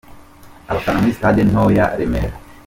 Abafana muri sitade nto ya Remera.